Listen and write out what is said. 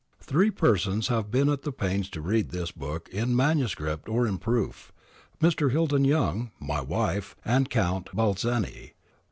Three persons have been at the pains to read this book in MS. or in proof: Mr. Hilton Young; my wife ; and Count Balzani.